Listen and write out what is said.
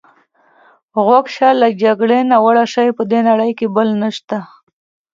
غوږ شه، له جګړې ناوړه شی په دې نړۍ کې بل نشته.